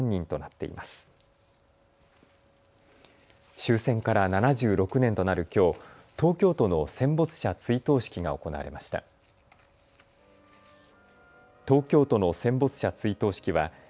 終戦から７６年となるきょう、東京都の戦没者追悼式が行われました。